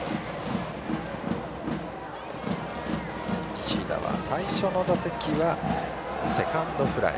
西田は最初の打席はセカンドフライ。